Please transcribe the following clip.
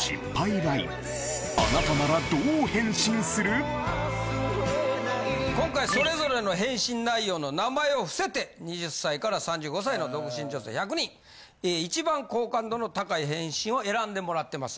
以前から今回それぞれの返信内容の名前を伏せて２０歳３５歳の独身女性１００人一番好感度の高い返信を選んでもらってます。